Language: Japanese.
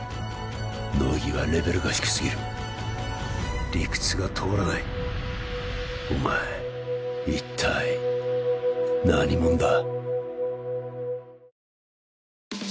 乃木はレベルが低すぎる理屈が通らないお前一体何者だ？